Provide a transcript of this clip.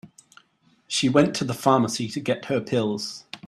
She went to the pharmacy to get her pills.